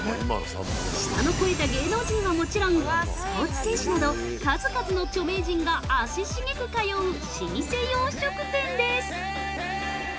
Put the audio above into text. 舌の肥えた芸能人はもちろんスポーツ選手など、数々の著名人が足しげく通う老舗洋食店です。